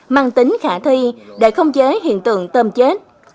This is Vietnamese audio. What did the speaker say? mang tính khả thi để khống chế hiện tượng tôm chết